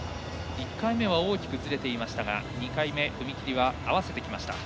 １回目は大きくずれていましたが２回目、踏み切りは合わせてきました。